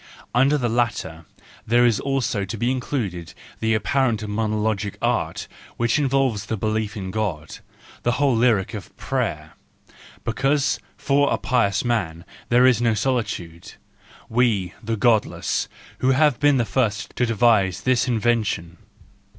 Under the latter there is also to be included the apparently monologic art which involves the belief in God, the whole lyric of prayer; because for a pious man there is no solitude,—we, the godless, have been the first to devise this inven¬ tion.